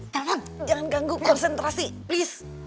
karena jangan ganggu konsentrasi please